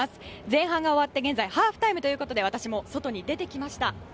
前半が終わって現在ハーフタイムということで私も外に出てきました。